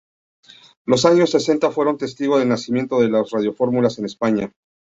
Los años sesenta fueron testigo del nacimiento de las radiofórmulas en España.